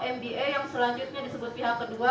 mda yang selanjutnya disebut pihak kedua